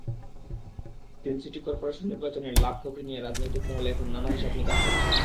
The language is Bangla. তিন সিটি করপোরেশন নির্বাচনের লাভ-ক্ষতি নিয়ে রাজনৈতিক মহলে এখন নানা হিসাব-নিকাশ চলছে।